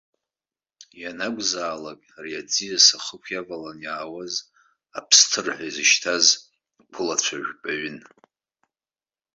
Ианакәызаалак ари аӡиас ахықә иавалан иаауаз, аԥсҭыр ҳәа изышьҭаз, ақәылацәа жәпаҩын.